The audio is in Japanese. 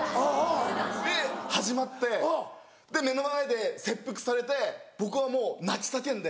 で始まって目の前で切腹されて僕はもう泣き叫んで。